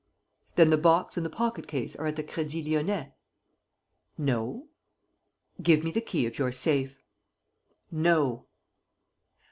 "Then the box and the pocket case are at the Crédit Lyonnais?" "No." "Give me the key of your safe." "No."